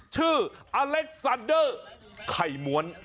ชื่ออัเล็กซานเดอร์ไข่มว้อน